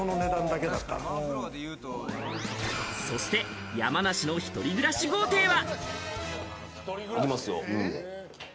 そして、山梨の一人暮らし豪邸は。